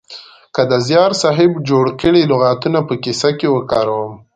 که د زیار صاحب جوړ کړي لغاتونه په کیسه کې وکاروم